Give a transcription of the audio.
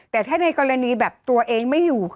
แต่ถ้าในกรณีแบบตัวเองไม่อยู่